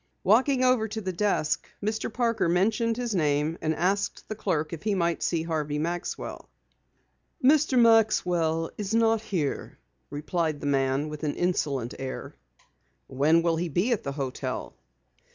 Walking over to the desk, Mr. Parker mentioned his name and asked the clerk if he might see Harvey Maxwell. "Mr. Maxwell is not here," replied the man with an insolent air. "When will he be at the hotel?"